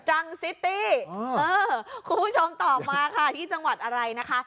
รังซิตี้เออคุณผู้ชมตอบมาค่ะที่จังหวัดอะไรนะคะ